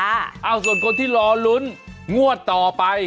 เอ้าส่วนคนที่รอลุ้นงวดต่อไป